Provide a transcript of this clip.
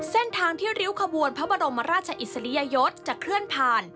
เส้นทางที่ริ้วขบวนพระบรมราชอิสริยยศจะเคลื่อนผ่าน